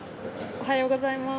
おはようございます。